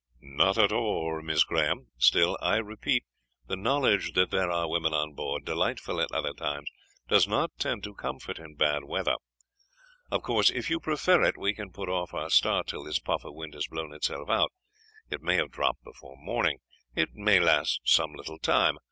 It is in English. "Not at all, Miss Graham. Still, I repeat, the knowledge that there are women on board, delightful at other times, does not tend to comfort in bad weather. Of course, if you prefer it, we can put off our start till this puff of wind has blown itself out. It may have dropped before morning. It may last some little time.